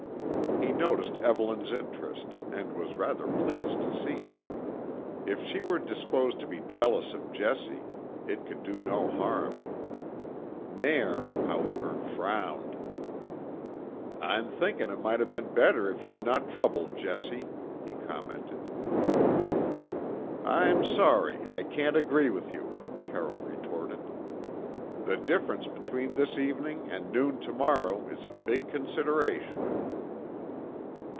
He noticed Evelyn's interest, and was rather pleased to see it. If she were disposed to be jealous of Jessie, it could do no harm. Nairn, however, frowned. "I'm thinking it might have been better if ye had not troubled Jessie," he commented. "I'm sorry I can't agree with you," Carroll retorted. "The difference between this evening and noon to morrow is a big consideration."